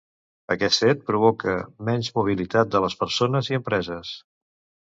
Aquest fet provoca menys mobilitat de les persones i empreses.